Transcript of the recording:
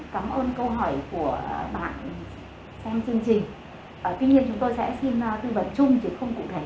trước tiên thì xin cảm ơn câu hỏi của bạn xem chương trình